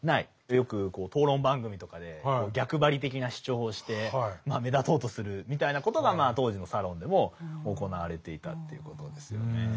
よく討論番組とかで逆張り的な主張をして目立とうとするみたいなことが当時のサロンでも行われていたということですよね。